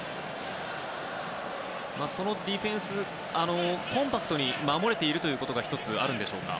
そのディフェンス、コンパクトに守れているということが１つあるんでしょうか？